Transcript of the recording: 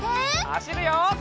はしるよ！